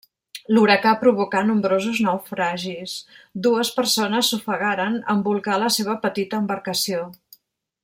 L'huracà provocà nombrosos naufragis; dues persones s'ofegaren en bolcar la seva petita embarcació.